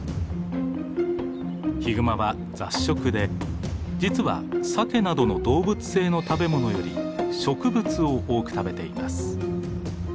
ヒグマは雑食で実はサケなどの動物性の食べ物より植物を多く食べています。